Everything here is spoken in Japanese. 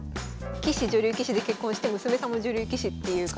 棋士女流棋士で結婚して娘さんも女流棋士っていう。